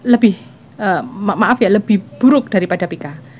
lebih maaf ya lebih buruk daripada pika